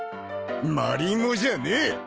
マリモじゃねえ！